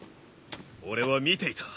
俺は見ていた。